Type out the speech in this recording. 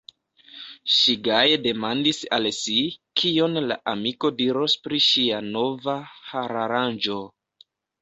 Ŝi gaje demandis al si, kion la amiko diros pri ŝia nova hararanĝo.